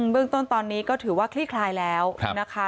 พึ่งต้นตอนนี้ก็ถือว่าคลิกลายแล้วนะคะ